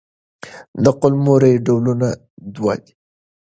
د قلمرو ډولونه دوه دي.